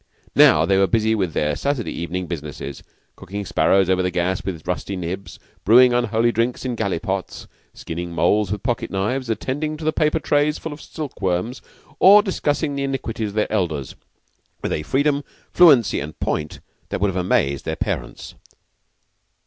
Now they were busy with their Saturday evening businesses cooking sparrows over the gas with rusty nibs; brewing unholy drinks in gallipots; skinning moles with pocket knives; attending to paper trays full of silkworms, or discussing the iniquities of their elders with a freedom, fluency, and point that would have amazed their parents.